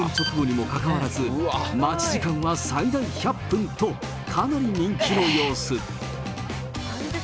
店内の予約パネルを見ると、開店直後にもかかわらず、待ち時間は最大１００分と、かなり人気の様子。